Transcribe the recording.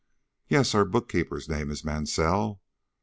"Yes, our book keeper's name is Mansell.